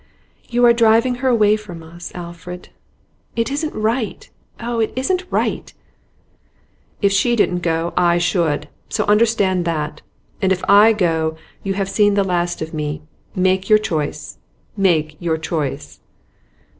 'You are driving her away from us, Alfred. It isn't right! Oh, it isn't right!' 'If she didn't go I should, so understand that! And if I go, you have seen the last of me. Make your choice, make your choice!